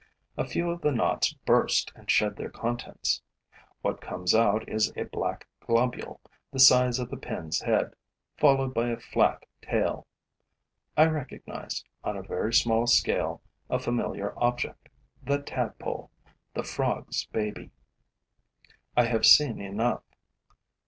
A few of the knots burst and shed their contents. What comes out is a black globule, the size of a pin's head, followed by a flat tail. I recognize, on a very small scale, a familiar object: the tadpole, the frog's baby. I have seen enough.